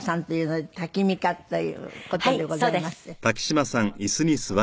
はい。